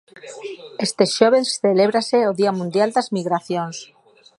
Este xoves celébrase o Día Mundial das Migracións.